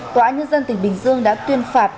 tòa án nhân dân tỉnh bình dương đã tuyên phạt